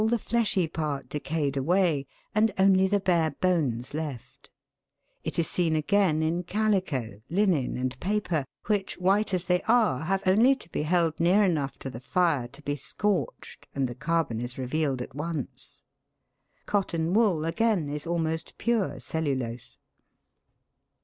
the fleshy part decayed away, and only the bare bones left; it is seen again in calico, linen, and paper, which, white as they are, have only to be held near enough to the fire to be scorched, and the carbon is revealed at once. Cotton wool, again, is almost pure cellulose.